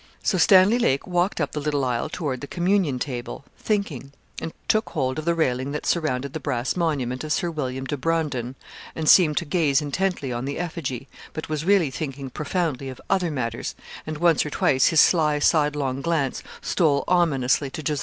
So Stanley Lake walked up the little aisle toward the communion table, thinking, and took hold of the railing that surrounded the brass monument of Sir William de Braundon, and seemed to gaze intently on the effigy, but was really thinking profoundly of other matters and once or twice his sly sidelong glance stole ominously to Jos.